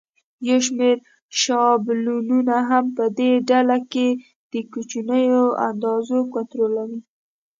یو شمېر شابلونونه هم په دې ډله کې د کوچنیو اندازو کنټرولوي.